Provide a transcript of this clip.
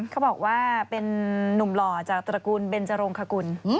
เขาบอกว่าเป็นนุ่มหล่อจากตระกูลเบนจรงคกุล